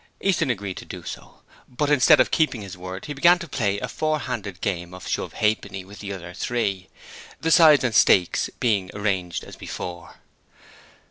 Easton agreed to do so, but instead of keeping his word he began to play a four handed game of shove ha'penny with the other three, the sides and stakes being arranged as before.